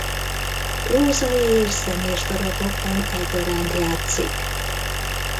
Prózai és zenés darabokban egyaránt játszik.